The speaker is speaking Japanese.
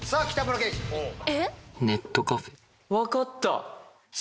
分かった。